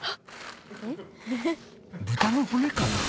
豚の骨かな？